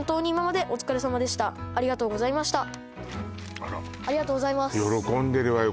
あらありがとうございます